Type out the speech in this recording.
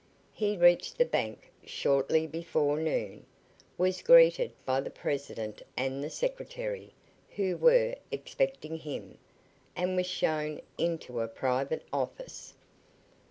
He reached the bank shortly before noon, was greeted by the president and the secretary, who were expecting him, and was shown into a private office.